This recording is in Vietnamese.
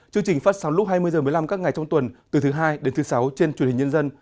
chương trình phát sóng lúc hai mươi h một mươi năm các ngày trong tuần từ thứ hai đến thứ sáu trên truyền hình nhân dân